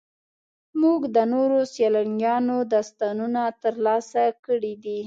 موږ د نورو سیلانیانو داستانونه ترلاسه کړي دي.